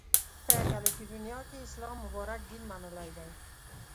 په کالیفورنیا کې یې اسلام مبارک دین منلی دی.